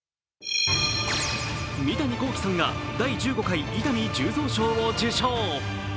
三谷幸喜さんが第１５回伊丹十三賞を受賞。